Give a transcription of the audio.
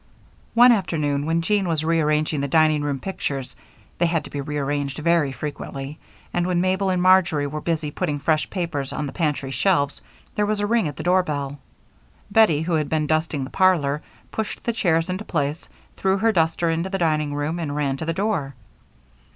One afternoon, when Jean was rearranging the dining room pictures they had to be rearranged very frequently and when Mabel and Marjory were busy putting fresh papers on the pantry shelves, there was a ring at the doorbell. Bettie, who had been dusting the parlor, pushed the chairs into place, threw her duster into the dining room and ran to the door.